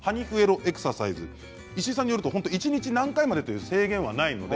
エクササイズは石井さんによると一日何回までという制限はないそうです。